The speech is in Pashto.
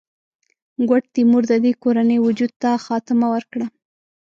ګوډ تیمور د دې کورنۍ وجود ته خاتمه ورکړه.